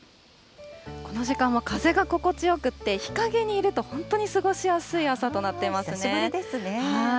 この時間は風が心地よくて、日陰にいると本当に過ごしやすい久しぶりですね。